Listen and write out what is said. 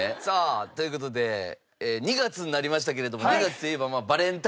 さあという事で２月になりましたけれども。